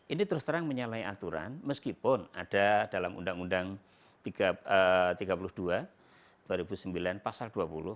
ini terus terang menyalahi aturan meskipun ada dalam undang undang tiga puluh dua dua ribu sembilan pasal dua puluh